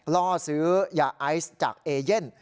ล่อซื้อยาไอซ์จากเอเย่น